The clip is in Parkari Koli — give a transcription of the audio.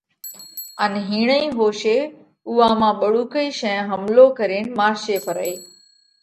ان ھيڻئِي ھوشي اُوئا مانھ ٻۯُوڪئِي شين حملو ڪرينَ مارشي پرئِي